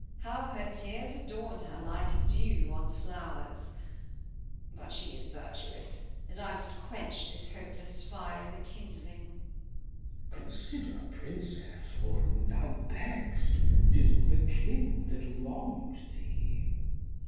How her Tears adorn her. Like Dew on Flow'rs, but she is Virtuous, And I must quench this hopeless Fire i' th' kindling. Glost. Consider, Princess, 210 The History of [Act in For whom thou beg'st, 'tis for the King that wrong'd thee.